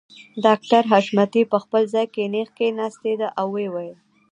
ډاکټر حشمتي په خپل ځای کې نېغ کښېناسته او ويې ويل